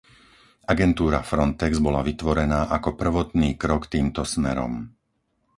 Agentúra Frontex bola vytvorená ako prvotný krok týmto smerom.